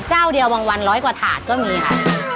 เจ้าเดียววัน๑๐๐กว่าฐานก็มีค่ะ